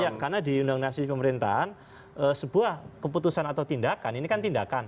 iya karena di undang undang si pemerintahan sebuah keputusan atau tindakan ini kan tindakan